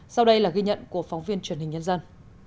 sau đây là ghi nhận của phóng viên truyền hình nhân dân